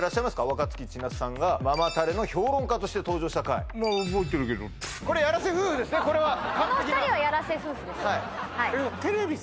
若槻千夏さんがママタレの評論家として登場した回覚えてるけどこれやらせ夫婦ですねテレビ